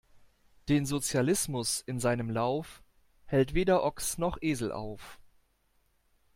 Den Sozialismus in seinem Lauf, hält weder Ochs' noch Esel auf!